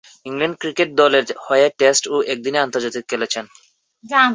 England cricket দলের হয়ে test ও একদিনের আন্তর্জাতিকে খেলেছেন।